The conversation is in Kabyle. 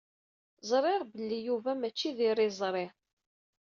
Ẓriɣ belli Yuba mačči d iriẓri.